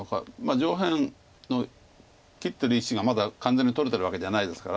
上辺の切ってる石がまだ完全に取れてるわけではないですから。